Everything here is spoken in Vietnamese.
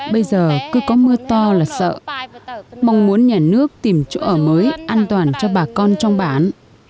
bây giờ cứ có mưa to là sợ mong muốn nhà nước tìm chỗ ở mới an toàn cho bà con trong bản